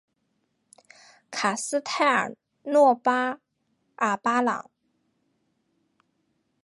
卡斯泰尔诺巴尔巴朗。